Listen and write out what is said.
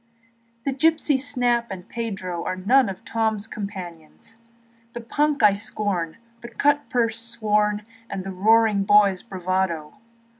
The gypsies, Snap and Pedro, Are none of Tom's comradoes, The punk I scorn and the cutpurse sworn, And the roaring boy's bravadoes.